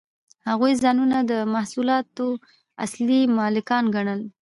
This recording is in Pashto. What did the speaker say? هغوی ځانونه د محصولاتو اصلي مالکان ګڼل